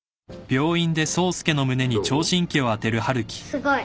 すごい。